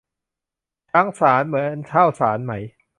ช้างสาร เหมือนข้าวสารไหม